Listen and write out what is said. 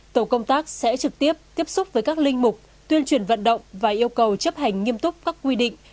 tổ công tác sẽ trực tiếp tiếp xúc với các linh mục tuyên truyền vận động và yêu cầu chấp hành nghiêm túc các quy định